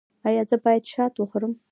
ایا زه باید شات وخورم؟